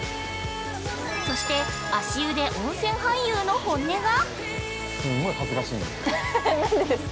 そして足湯で温泉俳優の本音が。